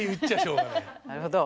なるほど。